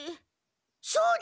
そうだ！